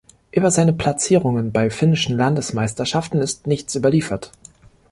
Über seine Platzierungen bei finnischen Landesmeisterschaften ist nichts überliefert.